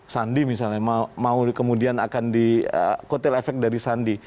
sandi misalnya mau kemudian akan di kotel efek dari sandi